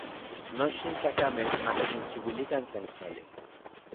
Nochtin tlakamej ma tikinchiuilikan tlen kuali.